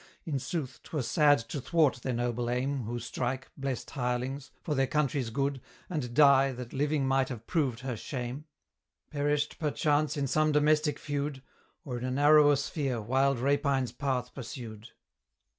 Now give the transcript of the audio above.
In sooth, 'twere sad to thwart their noble aim Who strike, blest hirelings! for their country's good, And die, that living might have proved her shame; Perished, perchance, in some domestic feud, Or in a narrower sphere wild Rapine's path pursued.